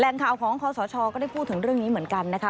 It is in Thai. ข่าวของคอสชก็ได้พูดถึงเรื่องนี้เหมือนกันนะคะ